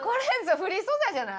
フリー素材じゃない！